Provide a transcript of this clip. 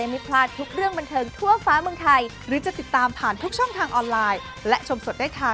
พี่เอ๋วคงภูมิใจเหรอเนอะ